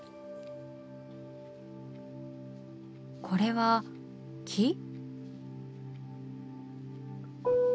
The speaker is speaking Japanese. これは木？